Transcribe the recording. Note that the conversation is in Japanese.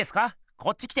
こっち来て！